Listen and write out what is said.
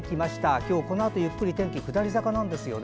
今日このあと、ゆっくり天気下り坂なんですよね。